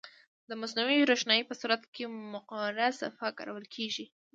د مصنوعي روښنایي په صورت کې مقعره صفحه کارول کیږي.